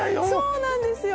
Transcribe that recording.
そうなんですよ